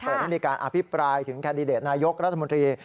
ให้มีการอภิปรายถึงแคนดิเดตนายกรัฐมนตรี